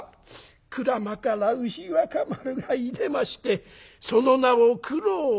「鞍馬から牛若丸がいでましてその名を九郎判官義経」。